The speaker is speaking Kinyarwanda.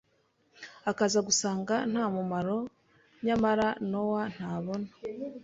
akaza gusanga nta mumaro, nyamara Nowa ntabona